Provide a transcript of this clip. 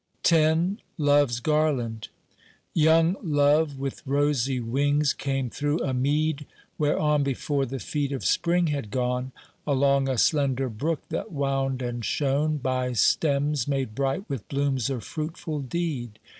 X LOVE'S GARLAND YOUNG Love with rosy wings came through a mead, Whereon before the feet of spring had gone, Along a slender brook that wound and shone By stems made bright with blooms of fruitful deed.